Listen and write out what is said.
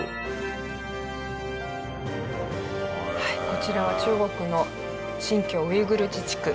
こちらは中国の新疆ウイグル自治区